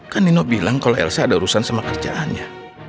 kan nino bilang kalau elsa ada urusan sama kerjaannya